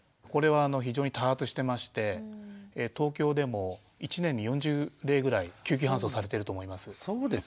これは非常に多発してまして東京でも一年に４０例ぐらい救急搬送されてると思います。